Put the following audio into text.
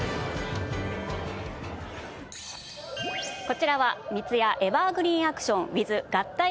こちらは三ツ矢エバーグリーンアクションＷＩＴＨ合体！